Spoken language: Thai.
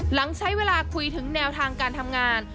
หลังใช้เวลาคุยถึงแนวทางการทำงาน